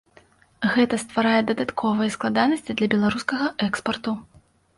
Гэта стварае дадатковыя складанасці для беларускага экспарту.